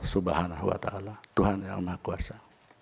subhanahu wa ta'ala tuhan yang maha kuasa